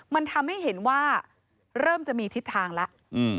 มันทำให้เห็นว่าเริ่มจะมีทิศทางแล้ว